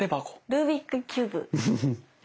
ルービックキューブ。